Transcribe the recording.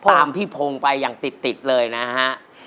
ตามพี่พงศ์ไปอย่างติดเลยนะฮะ